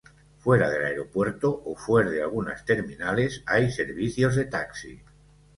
Fuera del aeropuerto o fuer de algunas terminales hay servicios de taxi.